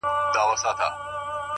څنگه درد دی څنگه کيف دی څنگه راز دی